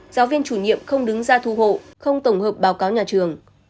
giáo viên chủ nhiệm không đứng ra thu hộ không tổng hợp báo cáo nhà trường